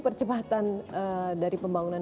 percepatan dari pembangunan